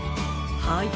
はい。